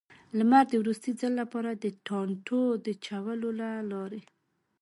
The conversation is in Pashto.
لمر د وروستي ځل لپاره، د ټانټو د چولو له لارې.